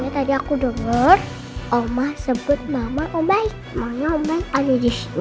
tadi aku denger oma sebut mama om baik makanya om baik ada disini